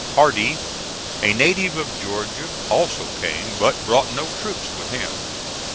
Hardee, a native of Georgia, also came, but brought no troops with him.